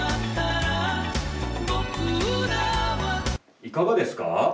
いかがですか？